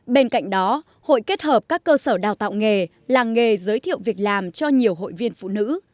bên cạnh đó hội kết hợp các cơ sở đào tạo nghề làng nghề giới thiệu việc làm cho nhiều hội viên phụ nữ